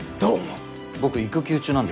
僕育休中なんですけど。